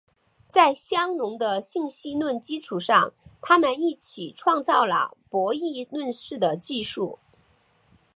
在香农的信息论基础上他们一起创造了博弈论似的技术。